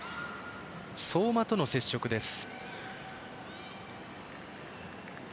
相馬との接触です。